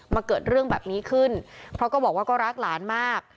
เกิดเรื่องแบบนี้ขึ้นเพราะก็บอกว่าก็รักหลานมาก